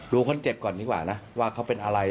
คนเจ็บก่อนดีกว่านะว่าเขาเป็นอะไร